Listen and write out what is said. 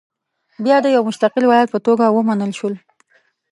بیا د یو مستقل ولایت په توګه ومنل شول.